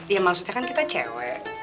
ya maksudnya kan kita cewek